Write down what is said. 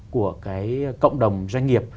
của cộng đồng doanh nghiệp